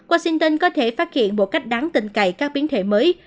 washington có thể phát hiện một cách đáng tình cậy các biến thể mới